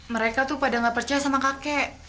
mereka tuh pada gak percaya sama kakek